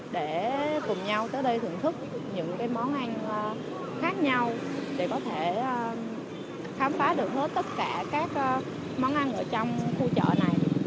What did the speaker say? để cùng nhau tới đây thưởng thức những cái món ăn khác nhau để có thể khám phá được hơn